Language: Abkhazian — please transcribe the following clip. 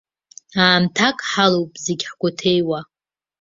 Аамҭак ҳалоуп зегь ҳгәаҭеиуа.